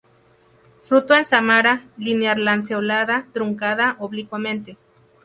Fruto en sámara linear-lanceolada, truncada oblicuamente.